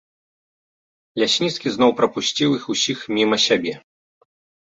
Лясніцкі зноў прапусціў іх усіх міма сябе.